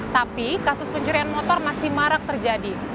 tapi kasus pencurian motor masih marak terjadi